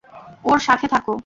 ওর সাথে থাকো।